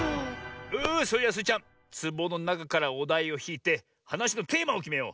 それじゃスイちゃんつぼのなかからおだいをひいてはなしのテーマをきめよう。